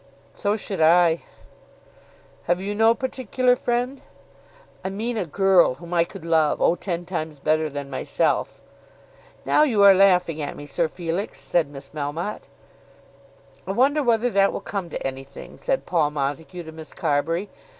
"So should I." "Have you no particular friend?" "I mean a girl whom I could love, oh, ten times better than myself." "Now you are laughing at me, Sir Felix," said Miss Melmotte. "I wonder whether that will come to anything?" said Paul Montague to Miss Carbury.